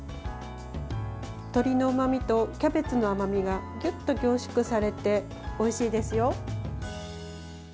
鶏のうまみとキャベツの甘みがぎゅっと凝縮されておいしいですよ。